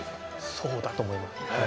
そうだと思います。